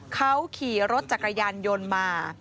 เขาขี่รถจักรยานยนต์มา